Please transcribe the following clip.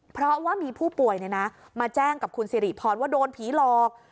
เพราะว่ามีผู้ป่วยมาแจ้งกับคุณสิริพรว่าโดนผีหลอก